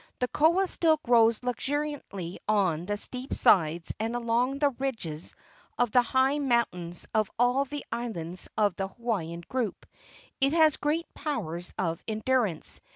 The koa still grows luxuriantly on the steep sides and along the ridges of the high moun¬ tains of all the islands of the Hawaiian group. It has great powers of endurance.